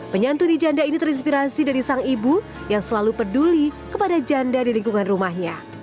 penyantuni janda ini terinspirasi dari sang ibu yang selalu peduli kepada janda di lingkungan rumahnya